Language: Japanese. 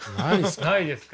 ないですか？